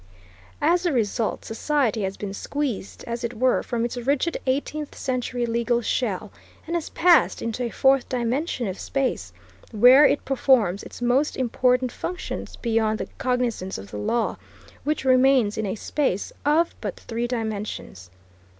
As a result, society has been squeezed, as it were, from its rigid eighteenth century legal shell, and has passed into a fourth dimension of space, where it performs its most important functions beyond the cognizance of the law, which remains in a space of but three dimensions.